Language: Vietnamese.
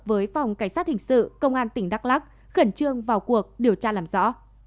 với phòng cảnh sát hình sự công an tỉnh đắk lắc khẩn trương vào cuộc điều tra làm rõ